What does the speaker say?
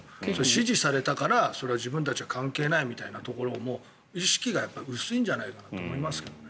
指示されたから自分たちは関係ないみたいなところも意識が薄いんじゃないかなと思いますけどね。